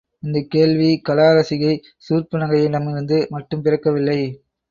இந்தக் கேள்வி, கலா ரசிகை சூர்ப்பனகையிடமிருந்து மட்டும் பிறக்கவில்லை.